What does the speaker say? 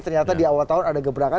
ternyata di awal tahun ada gebrakan